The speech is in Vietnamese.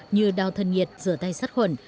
như đào thân nhiệt rửa tay sắt khuẩn